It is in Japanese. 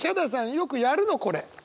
よくやるのこれ！